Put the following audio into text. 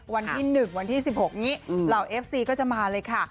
วันที่๑วันที่๑๖นี้เหล่าเอฟซีก็จะมาเลยค่ะ